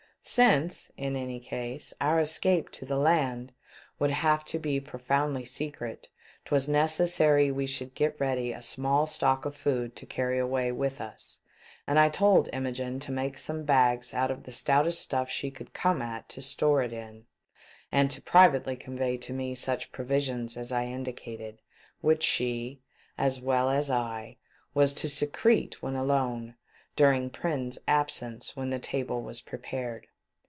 Since, in any case, our escape to the land would 444 "^^^^ I'EATH SHIP. have to be profoundly secret, 'twas neces sary we should get ready a small stock of food to carry away with us, and I told Imogene to make some bags out of the stoutest stuff she could come at to store it in, and to privately convey to me such provisions as I indicated, which she, as well as I, v/as to secrete when alone, during Prins' absence, when the table was prepared.